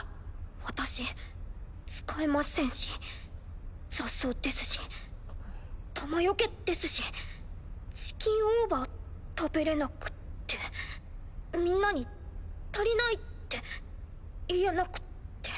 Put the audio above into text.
私使えませんし雑草ですし弾よけですしチキンオーバー食べれなくってみんなに足りないって言えなくって。